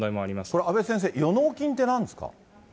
これ阿部先生、予納金ってなんですか。